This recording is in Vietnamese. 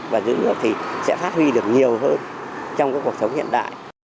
và dựng nước thì sẽ phát huy được nhiều hơn trong cái cuộc sống hiện đại